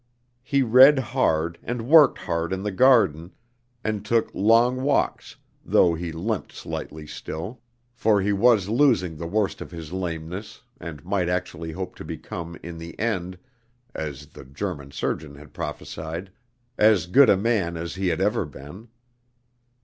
He read hard, and worked hard in the garden, and took long walks, though he limped slightly still, for he was losing the worst of his lameness and might actually hope to become in the end (as the German surgeon had prophesied) as "good a man as he had ever been."